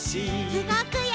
うごくよ！